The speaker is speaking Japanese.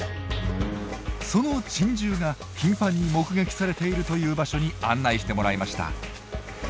その珍獣が頻繁に目撃されているという場所に案内してもらいました。